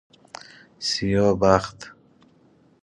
سیاه بخت